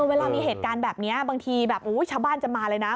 เวลามีเหตุการณ์แบบนี้บางทีแบบชาวบ้านจะมาเลยนะ